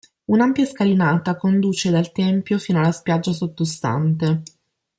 Un'ampia scalinata conduce dal tempio fino alla spiaggia sottostante.